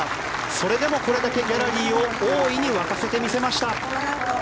それでもこれだけギャラリーを大いに沸かせてみせました。